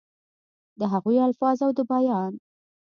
دَ هغوي الفاظ او دَ بيان